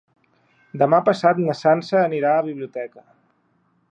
Demà passat na Sança anirà a la biblioteca.